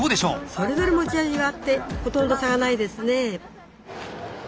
それぞれ持ち味があってほとんど差がないですね。